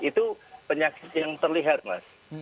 itu penyakit yang terlihat mas